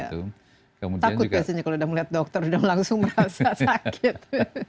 takut biasanya kalau udah melihat dokter sudah langsung merasa sakit